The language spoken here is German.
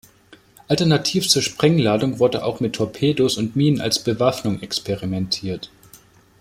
Alternativ zur Sprengladung wurde auch mit Torpedos und Minen als Bewaffnung experimentiert.